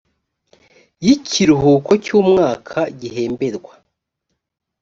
y ikiruhuko cy umwaka gihemberwa